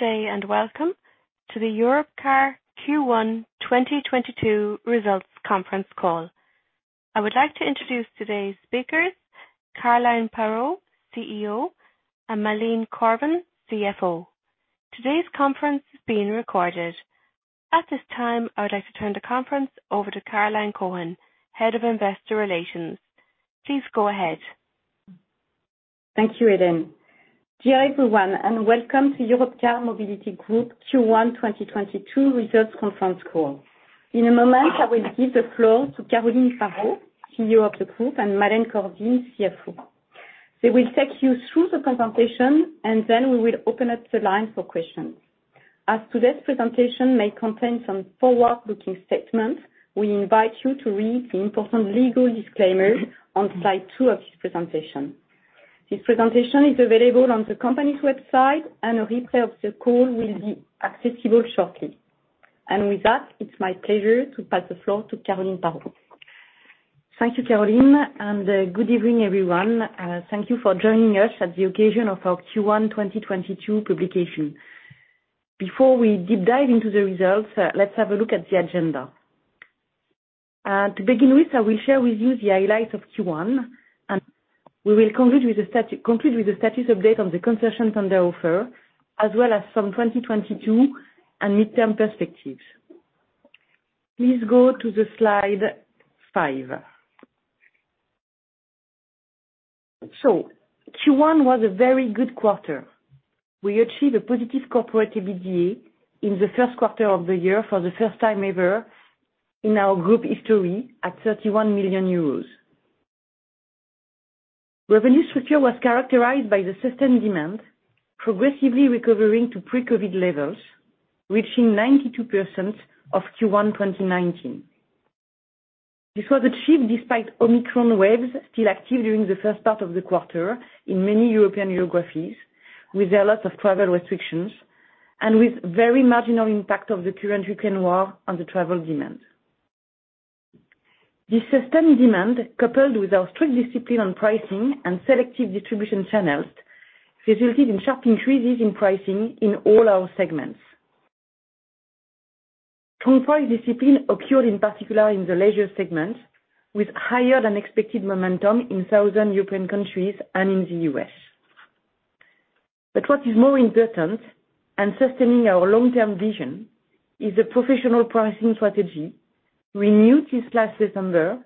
Good day, and welcome to the Europcar Q1 2022 Results Conference Call. I would like to introduce today's speakers, Caroline Parot, CEO, and Malène Korvin, CFO. Today's conference is being recorded. At this time, I would like to turn the conference over to Caroline Cohen, Head of Investor Relations. Please go ahead. Thank you, Eden. Dear everyone, and welcome to Europcar Mobility Group Q1 2022 Results Conference Call. In a moment, I will give the floor to Caroline Parot, CEO of the group, and Malène Korvin, CFO. They will take you through the presentation, and then we will open up the line for questions. As today's presentation may contain some forward-looking statements, we invite you to read the important legal disclaimer on slide two of this presentation. This presentation is available on the company's website, and a replay of the call will be accessible shortly. With that, it's my pleasure to pass the floor to Caroline Parot. Thank you, Caroline, and good evening, everyone. Thank you for joining us at the occasion of our Q1 2022 publication. Before we deep dive into the results, let's have a look at the agenda. To begin with, I will share with you the highlights of Q1, and we will conclude complete with the status update on the concessions on the offer, as well as some 2022 and midterm perspectives. Please go to slide 5. Q1 was a very good quarter. We achieved a positive corporate EBITDA in the Q1 of the year for the first time ever in our group history, at 31 million euros. Revenue structure was characterized by the system demand progressively recovering to pre-COVID levels, reaching 92% of Q1 2019. This was achieved despite Omicron waves still active during the first part of the quarter in many European geographies, with a lot of travel restrictions, and with very marginal impact of the current Ukraine war on the travel demand. This sustained demand, coupled with our strict discipline on pricing and selective distribution channels, resulted in sharp increases in pricing in all our segments. Strong price discipline occurred in particular in the leisure segments, with higher than expected momentum in Southern European countries and in the U.S. What is more important, and sustaining our long-term vision, is the professional pricing strategy, renewed this last September,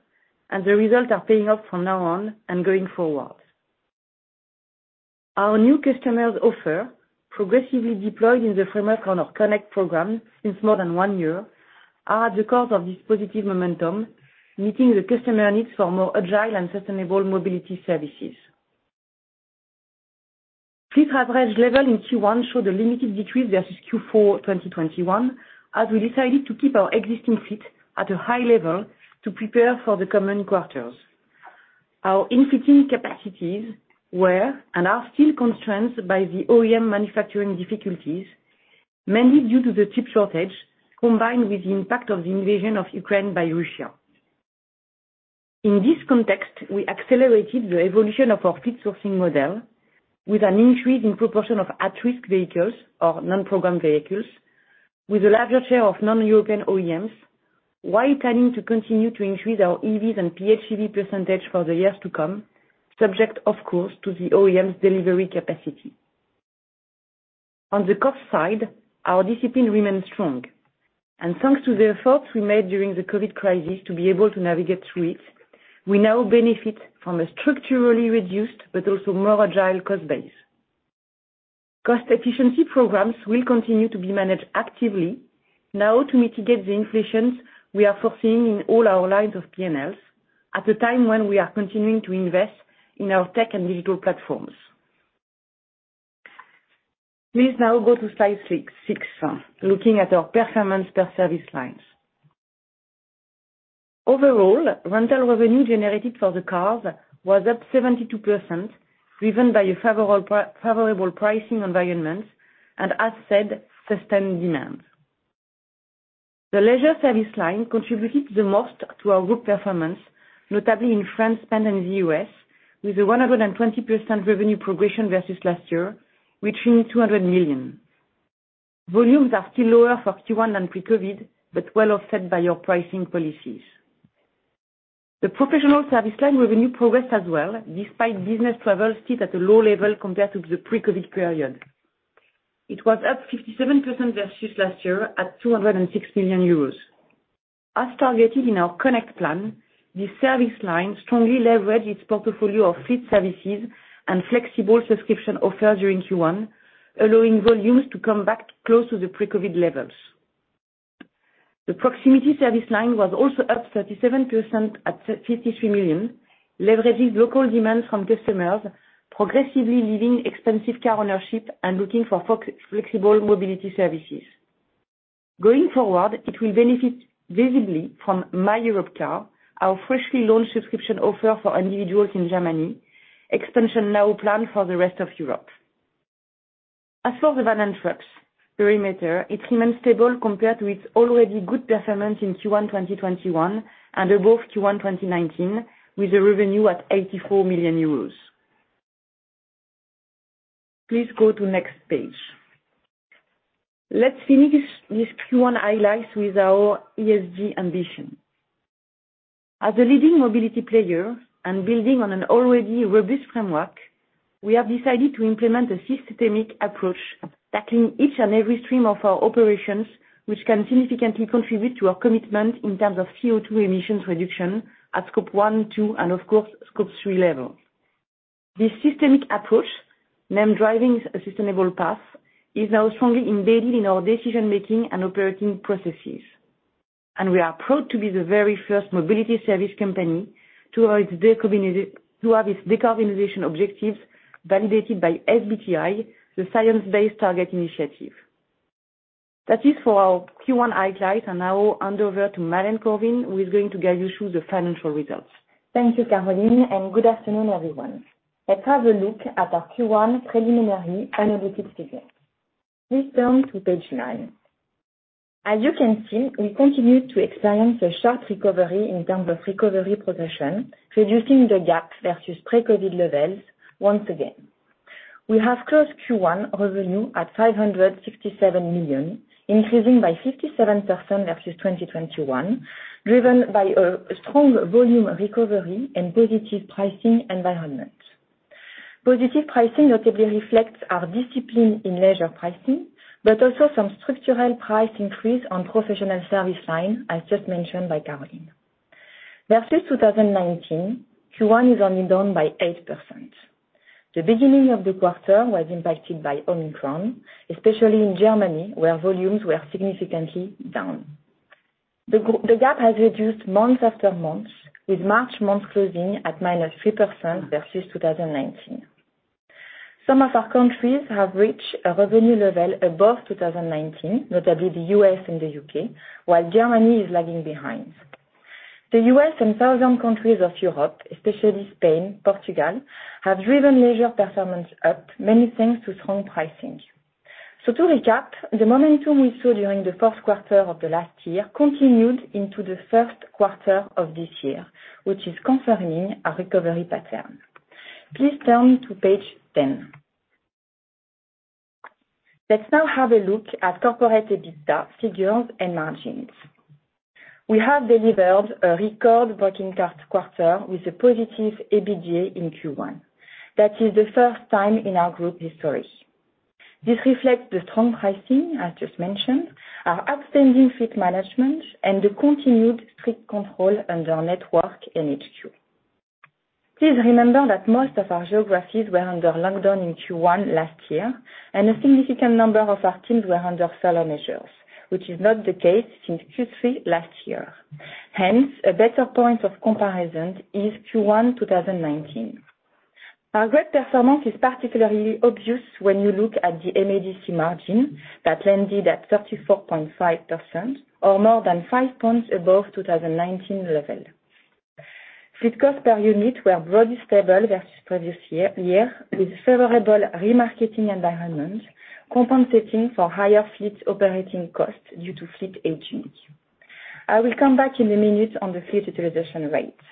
and the results are paying off from now on and going forward. Our new customer offer, progressively deployed in the framework of our Connect program for more than one year, is the cause of this positive momentum, meeting the customer needs for more agile and sustainable mobility services. Fleet average level in Q1 showed a limited decrease versus Q4 2021, as we decided to keep our existing fleet at a high level to prepare for the coming quarters. Our in-fleet capacities were, and are still constrained by the OEM manufacturing difficulties, mainly due to the chip shortage, combined with the impact of the invasion of Ukraine by Russia. In this context, we accelerated the evolution of our fleet sourcing model with an increase in proportion of at-risk vehicles or non-program vehicles with a larger share of non-European OEMs, while planning to continue to increase our EVs and PHEV percentage for the years to come, subject, of course, to the OEM's delivery capacity. On the cost side, our discipline remains strong. Thanks to the efforts we made during the COVID crisis to be able to navigate through it, we now benefit from a structurally reduced but also more agile cost base. Cost efficiency programs will continue to be managed actively now to mitigate the inflations we are foreseeing in all our lines of PNLs, at a time when we are continuing to invest in our tech and digital platforms. Please now go to slide 6, looking at our performance per service lines. Overall, rental revenue generated for the cars was up 72%, driven by a favorable pricing environment, and as said, sustained demands. The leisure service line contributed the most to our group performance, notably in France, Spain, and the U.S., with 120% revenue progression versus last year, reaching 200 million. Volumes are still lower for Q1 than pre-COVID, but well offset by our pricing policies. The professional service line revenue progressed as well, despite business travel still at a low level compared to the pre-COVID period. Itwas up 57% versus last year, at 206 million euros. As targeted in our Connect plan, this service line strongly leveraged its portfolio of fleet services and flexible subscription offer during Q1, allowing volumes to come back close to the pre-COVID levels. The proximity service line was also up 37% at 53 million, leveraging local demands from customers progressively leaving expensive car ownership and looking for flexible mobility services. Going forward, it will benefit visibly from myEuropcar, our freshly launched subscription offer for individuals in Germany. Expansion now planned for the rest of Europe. As for the vans and trucks perimeter, it remains stable compared to its already good performance in Q1 2021, and above Q1 2019, with a revenue at 84 million euros. Please go to next page. Let's finish these Q1 highlights with our ESG ambition. As a leading mobility player and building on an already robust framework, we have decided to implement a systemic approach, tackling each and every stream of our operations, which can significantly contribute to our commitment in terms of CO2 emissions reduction at Scope 1, 2, and, of course, Scope 3 levels. This systemic approach, named Driving a Sustainable Path, is now strongly embedded in our decision-making and operating processes. We are proud to be the very first mobility service company to have its decarbonization objectives validated by SBTI, the Science Based Targets initiative. That is for our Q1 highlights. I now hand over to Malène Korvin, who is going to guide you through the financial results. Thank you, Caroline, and good afternoon, everyone. Let's have a look at our Q1 preliminary unaudited figures. Please turn to page nine. As you can see, we continue to experience a sharp recovery in terms of recovery progression, reducing the gap versus pre-COVID levels, once again. We have closed Q1 revenue at 567 million, increasing by 57% versus 2021, driven by a strong volume recovery and positive pricing environment. Positive pricing notably reflects our discipline in leisure pricing, but also some structural price increase on professional service line, as just mentioned by Caroline. Versus 2019, Q1 is only down by 8%. The beginning of the quarter was impacted by Omicron, especially in Germany, where volumes were significantly down. The gap has reduced month after month, with March closing at minus 3% versus 2019. Some of our countries have reached a revenue level above 2019, notably the U.S. and the U.K., while Germany is lagging behind. The U.S. and southern countries of Europe, especially Spain, Portugal, have driven leisure performance up, mainly thanks to strong pricing. To recap, the momentum we saw during the Q4 of the last year continued into the Q1 of this year, which is confirming a recovery pattern. Please turn to page 10. Let's now have a look at corporate EBITDA figures and margins. We have delivered a record breaking quarter with a positive EBITDA in Q1. That is the first time in our group history. This reflects the strong pricing, as just mentioned, our outstanding fleet management, and the continued strict control on our network and HQ. Please remember that most of our geographies were under lockdown in Q1 last year, and a significant number of our teams were under furlough measures, which is not the case since Q3 last year. Hence, a better point of comparison is Q1 2019. Our great performance is particularly obvious when you look at the MADC margin that landed at 34.5% or more than 5 points above 2019 level. Fleet cost per unit were broadly stable versus previous year, with favorable remarketing environment compensating for higher fleet operating costs due to fleet aging. I will come back in a minute on the fleet utilization rates.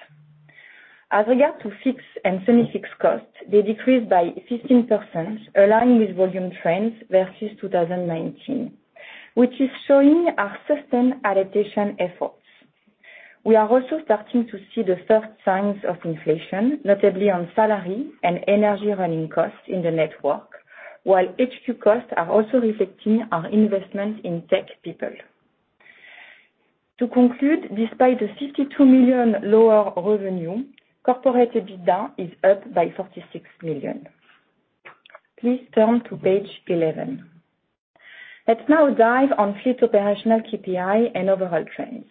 As regards to fixed and semi-fixed costs, they decreased by 15%, aligning with volume trends versus 2019, which is showing our system adaptation efforts. We are also starting to see the 1st signs of inflation, notably on salary and energy running costs in the network, while HQ costs are also reflecting our investment in tech people. To conclude, despite the 52 million lower revenue, corporate EBITDA is up by 46 million. Please turn to page 11. Let's now dive into fleet operational KPI and overall trends.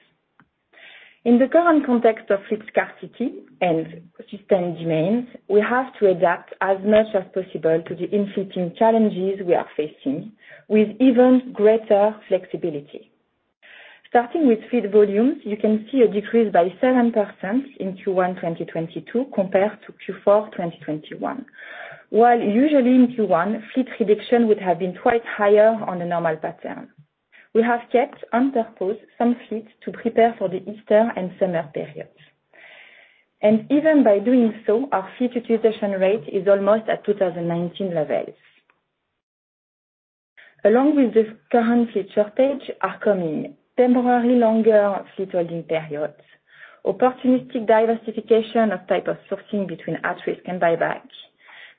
In the current context of fleet scarcity and sustained demands, we have to adapt as much as possible to the afflicting challenges we are facing with even greater flexibility. Starting with fleet volumes, you can see a decrease by 7% in Q1 2022 compared to Q4 2021. While usually in Q1, fleet reduction would have been quite higher on a normal pattern. We have kept on purpose some fleet to prepare for the Easter and summer period. Even by doing so, our fleet utilization rate is almost at 2019 levels. Along with the current fleet shortage are coming temporarily longer fleet holding periods, opportunistic diversification of type of sourcing between at-risk and buyback,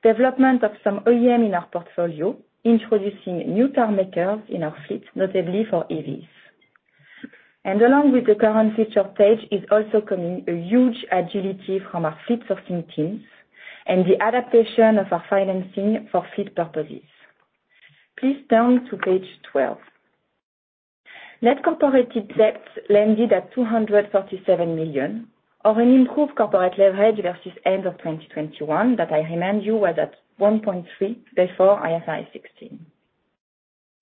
development of some OEM in our portfolio, introducing new car makers in our fleet, notably for EVs. Along with the current fleet shortage is also coming a huge agility from our fleet sourcing teams and the adaptation of our financing for fleet purposes. Please turn to page 12. Net corporate debt landed at 237 million or an improved corporate leverage versus end of 2021, that I remind you was at 1.3 before IFRS 16.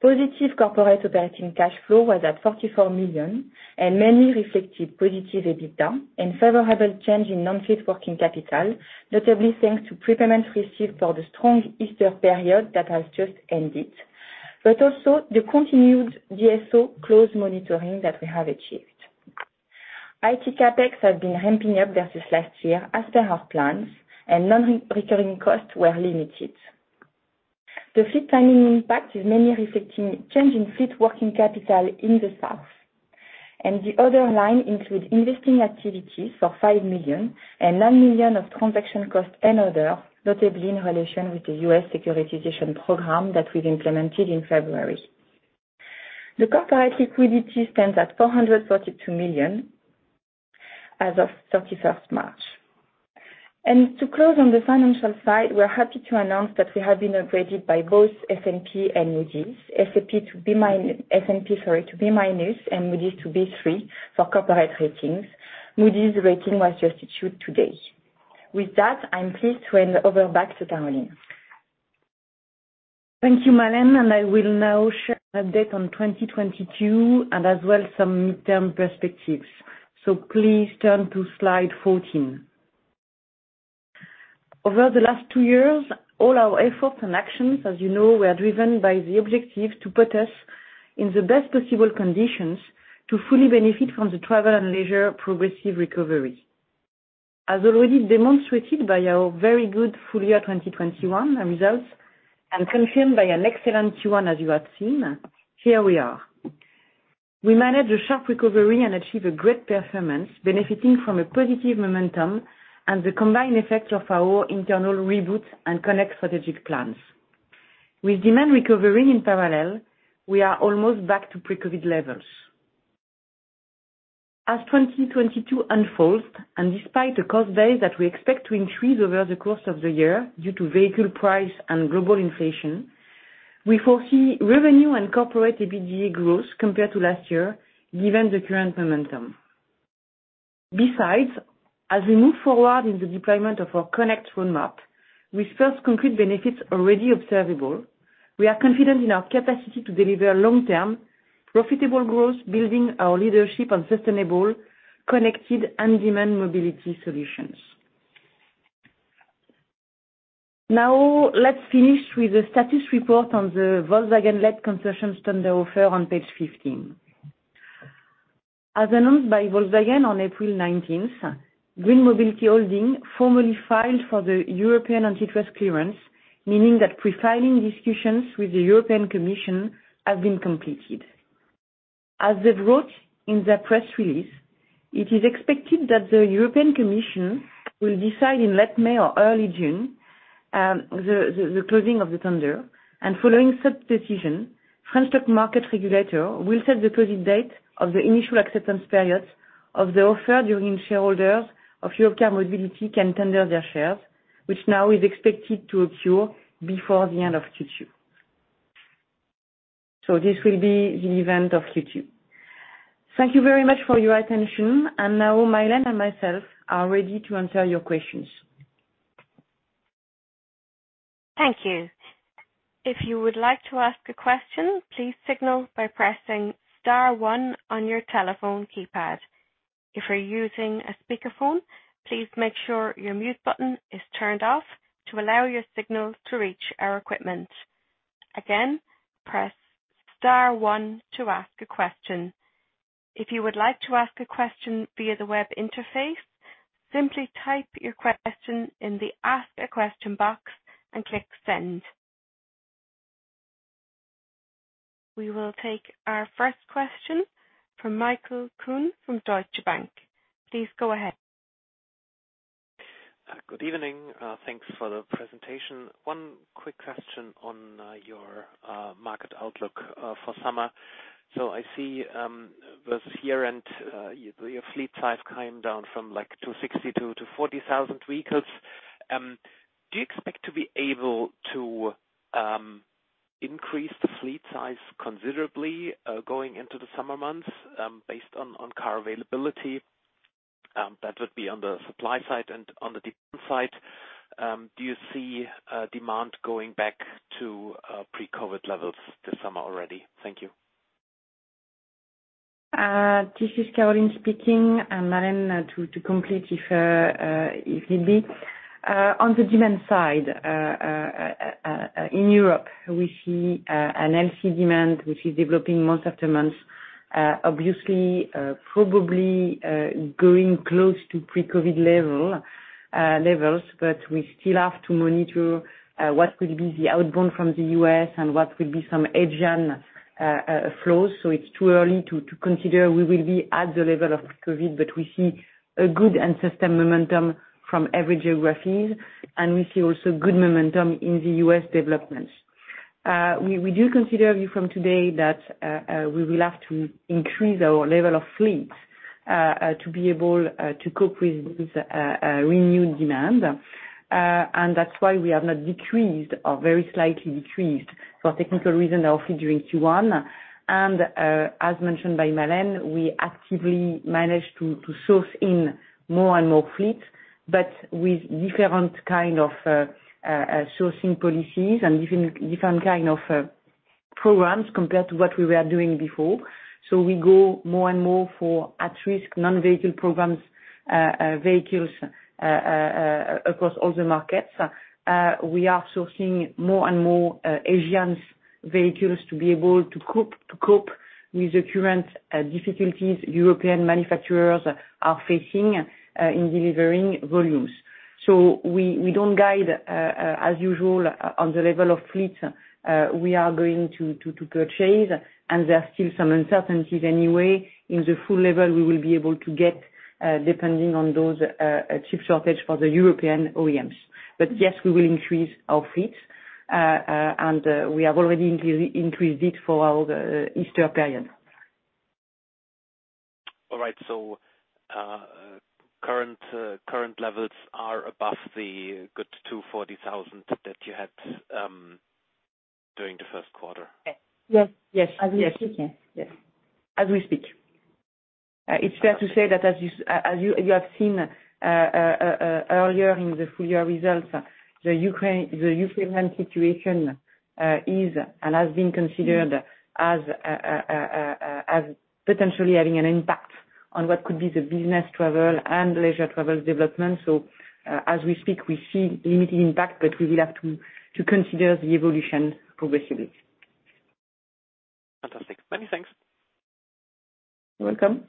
Positive corporate operating cash flow was at 44 million and mainly reflected positive EBITDA and favorable change in non-fleet working capital, notably thanks to prepayment received for the strong Easter period that has just ended, but also the continued DSO close monitoring that we have achieved. IT CapEx have been ramping up versus last year as per our plans, and non-recurring costs were limited. The fleet planning impact is mainly reflecting change in fleet working capital in the South. The other line includes investing activities for 5 million and 9 million of transaction costs and other, notably in relation with the US securitization program that we've implemented in February. The corporate liquidity stands at 442 million as of March 31st. To close on the financial side, we're happy to announce that we have been upgraded by both S&P and Moody's. S&P to B-, and Moody's to B3 for corporate ratings. Moody's rating was just issued today. With that, I'm pleased to hand over back to Caroline. Thank you, Malène. I will now share an update on 2022 and as well some mid-term perspectives. Please turn to slide 14. Over the last two years, all our efforts and actions, as you know, were driven by the objective to put us in the best possible conditions to fully benefit from the travel and leisure progressive recovery. As already demonstrated by our very good full year 2021 results, and confirmed by an excellent Q1 as you have seen, here we are. We managed a sharp recovery and achieved a great performance, benefiting from a positive momentum and the combined effect of our internal Reboot and Connect strategic plans. With demand recovering in parallel, we are almost back to pre-COVID levels. As 2022 unfolds, and despite a cost base that we expect to increase over the course of the year due to vehicle price and global inflation, we foresee revenue and corporate EBITDA growth compared to last year, given the current momentum. Besides, as we move forward in the deployment of our Connect roadmap, with first concrete benefits already observable, we are confident in our capacity to deliver long-term, profitable growth, building our leadership on sustainable, connected and demand mobility solutions. Now, let's finish with a status report on the Volkswagen-led consortium tender offer on page 15. As announced by Volkswagen on April 19th, Green Mobility Holding formally filed for the European antitrust clearance, meaning that pre-filing discussions with the European Commission have been completed. As they wrote in their press release, it is expected that the European Commission will decide in late May or early June, the closing of the tender. Following such decision, French stock market regulator will set the closing date of the initial acceptance period of the offer during shareholders of Europcar Mobility can tender their shares, which now is expected to occur before the end of Q2. This will be the event of Q2. Thank you very much for your attention. Now Malène and myself are ready to answer your questions. Thank you. If you would like to ask a question, please signal by pressing star 1 on your telephone keypad. If you're using a speakerphone, please make sure your mute button is turned off to allow your signal to reach our equipment. Again, press star one to ask a question. If you would like to ask a question via the web interface, simply type your question in the Ask a Question box and click Send. We will take our 1st question from Michael Kuhn from Deutsche Bank. Please go ahead. Good evening. Thanks for the presentation. One quick question on your market outlook for summer. I see this year your fleet size came down from, like, 262 to 40,000 vehicles. Do you expect to be able to increase the fleet size considerably going into the summer months based on car availability? That would be on the supply side and on the demand side. Do you see demand going back to pre-COVID levels this summer already? Thank you. This is Caroline speaking, and Malène, to complete if need be. On the demand side, in Europe, we see a healthy demand which is developing month after month, obviously, probably, growing close to pre-COVID levels. We still have to monitor what will be the outbound from the U.S. and what will be some Asian flows. It's too early to consider we will be at the level of pre-COVID, but we see a good and sustained momentum from every geographies, and we see also good momentum in the U.S. developments. We do consider, view from today, that we will have to increase our level of fleet to be able to cope with this renewed demand. That's why we have not decreased or very slightly decreased for technical reasons, obviously, during Q1. As mentioned by Malène Korvin, we actively managed to source in more and more fleet, but with different kind of sourcing policies and different kind of programs compared to what we were doing before. We go more and more for at-risk non-vehicle programs, vehicles across all the markets. We are sourcing more and more Asian vehicles to be able to cope with the current difficulties European manufacturers are facing in delivering volumes. We don't guide as usual on the level of fleet. We are going to purchase, and there are still some uncertainties anyway in the fleet level we will be able to get, depending on those chip shortage for the European OEMs. Yes, we will increase our fleet, and we have already increased it for all the Easter period. All right. Current levels are above the good 240,000 that you had during the Q1? Yes. Yes. Yes. As we speak, yes. Yes. As we speak, it's fair to say that as you have seen earlier in the full year results, the Ukrainian situation is and has been considered as potentially having an impact on what could be the business travel and leisure travel development. As we speak, we see limited impact, but we will have to consider the evolution progressively. Fantastic. Many thanks. You're welcome.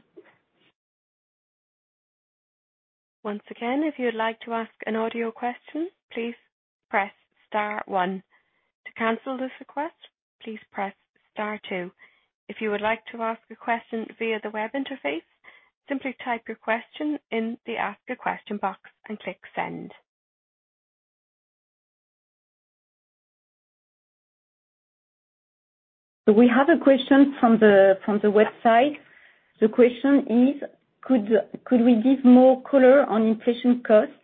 Once again, if you'd like to ask an audio question, please press star 1. To cancel this request, please press star 2. If you would like to ask a question via the web interface, simply type your question in the ask a question box and click send. We have a question from the website. The question is, could we give more color on inflation costs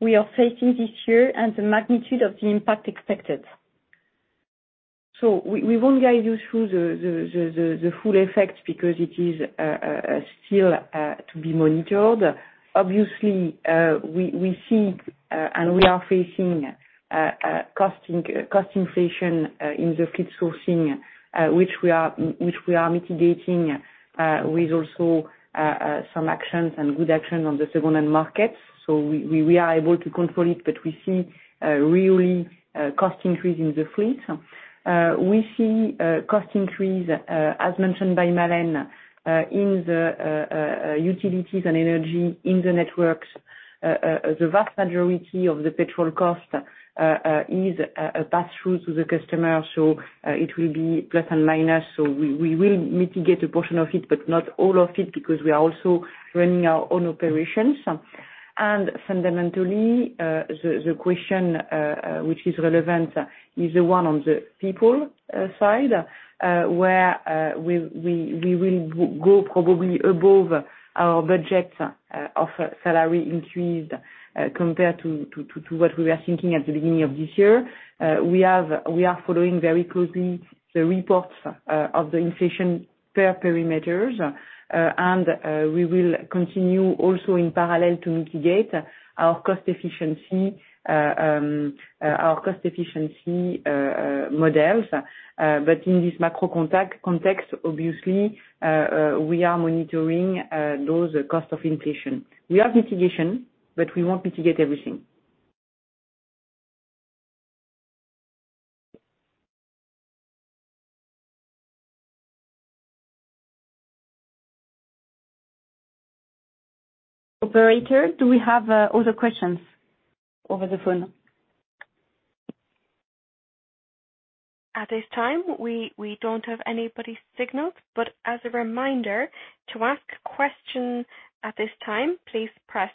we are facing this year and the magnitude of the impact expected? We won't guide you through the full effect because it is still to be monitored. Obviously, we see and we are facing cost inflation in the fleet sourcing, which we are mitigating with also some actions and good action on the second-hand markets. We are able to control it, but we see really cost increase in the fleet. We see cost increase as mentioned by Malène in the utilities and energy in the networks. The vast majority of the petrol cost is passed through to the customer, so it will be plus and minus, so we will mitigate a portion of it, but not all of it, because we are also running our own operations. Fundamentally, the question which is relevant is the one on the people side, where we will go probably above our budget of salary increase, compared to what we were thinking at the beginning of this year. We are following very closely the reports of the inflation parameters, and we will continue also in parallel to mitigate our cost efficiency models. In this macro context, obviously, we are monitoring those costs of inflation. We have mitigation, but we won't mitigate everything. Operator, do we have other questions over the phone? At this time, we don't have anybody signaled, but as a reminder, to ask questions at this time, please press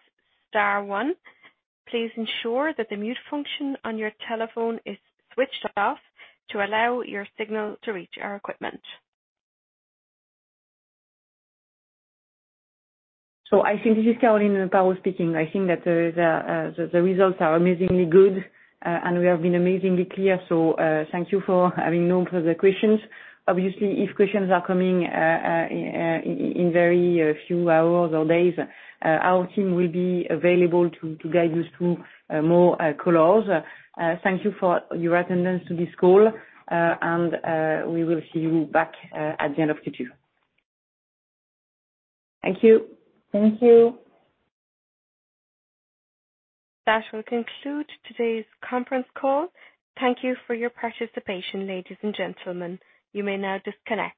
star one. Please ensure that the mute function on your telephone is switched off to allow your signal to reach our equipment. I think. This is Caroline Parot speaking. I think that the results are amazingly good, and we have been amazingly clear. Thank you for having no further questions. Obviously, if questions are coming in very few hours or days, our team will be available to guide you through more colors. Thank you for your attendance to this call, and we will see you back at the end of Q2. Thank you. Thank you. That will conclude today's conference call. Thank you for your participation, ladies and gentlemen. You may now disconnect.